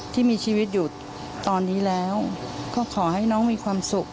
ที่มีชีวิตอยู่ตอนนี้แล้วก็ขอให้น้องมีความสุข